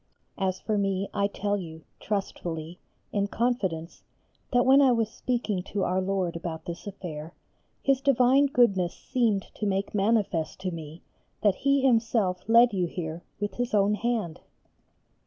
As for me I tell you, trustfully, in confidence, that when I was speaking to our Lord about this affair His divine goodness seemed to make manifest to me that He Himself led you here with His own hand.